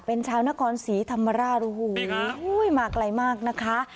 เป็นชาวนกรศรีธรรมาร่ารูหูหุ้ยมาไกลมากนะคะ